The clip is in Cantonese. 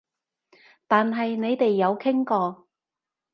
但係你哋有傾過？